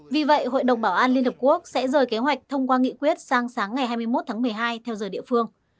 vì vậy hội đồng bảo an liên hợp quốc sẽ rời kế hoạch thông qua nghị quyết sang sáng ngày hai mươi một tháng một mươi hai theo giờ địa phương